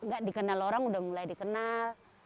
gak dikenal orang udah mulai dikenal